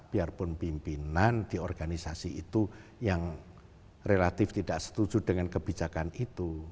biarpun pimpinan di organisasi itu yang relatif tidak setuju dengan kebijakan itu